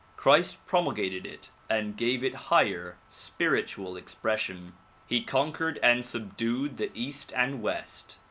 Christ promulgated it and gave it higher, spiritual expression. He conquered and subdued the east and west.